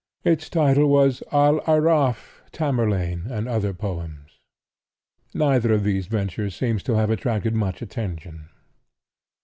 Its title was "Al Aaraaf, Tamerlane and Other Poems." Neither of these ventures seems to have attracted much attention.